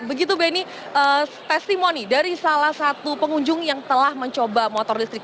begitu beni testimoni dari salah satu pengunjung yang telah mencoba motor listrik